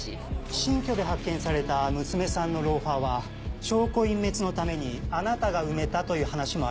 新居で発見された娘さんのローファーは証拠隠滅のためにあなたが埋めたという話もあります。